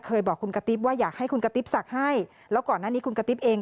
บอกคุณกะติ๊บว่าอยากให้คุณกระติ๊บศักดิ์ให้แล้วก่อนหน้านี้คุณกะติ๊บเอง